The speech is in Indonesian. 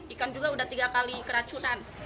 ikan juga sudah tiga kali keracunan